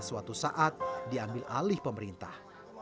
suatu saat diambil alih pemerintah